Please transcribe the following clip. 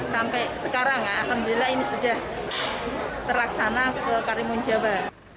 sampai sekarang alhamdulillah ini sudah terlaksana ke karimunjawa